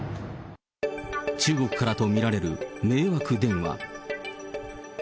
中国からと見られる迷惑電話。